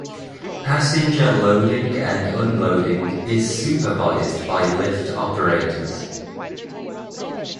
Passenger loading and unloading is supervised by lift operators.